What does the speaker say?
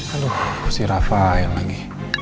aduh si rafael lagi